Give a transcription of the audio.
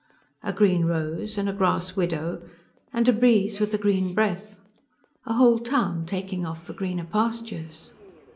A green rose and a grass widow and a breeze with a green breath. A whole town taking off for greener pastures....